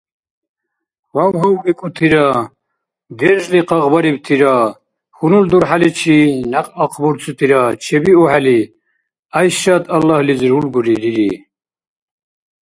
Вяв-гьавбикӀутира, держли къагъбарибтира, хьунул-дурхӀяличи някъ ахъбурцутира чебиухӀели, ГӀяйшат аллагьлизи рулгули рири